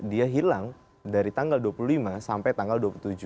dia hilang dari tanggal dua puluh lima sampai tanggal dua puluh tujuh